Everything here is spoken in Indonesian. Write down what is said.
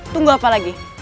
tunggu apa lagi